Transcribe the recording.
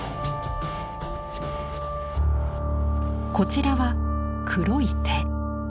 こちらは「黒い手」。